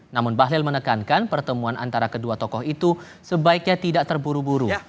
namun bahlil menekankan pertemuan antara kedua tokoh itu sebaiknya tidak terburu buru